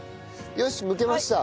よしむけました。